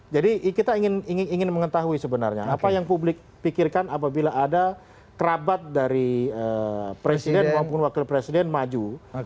jadi kita ingin mengetahui sebenarnya apa yang publik pikirkan apabila ada kerabat dari presiden maupun wakil presiden maju